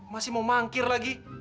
masih mau mangkir lagi